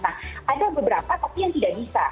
nah ada beberapa tapi yang tidak bisa